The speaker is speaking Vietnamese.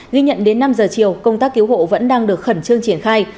ghi nhận đến năm giờ chiều công tác cứu hộ vẫn đang được khẩn trương triển khai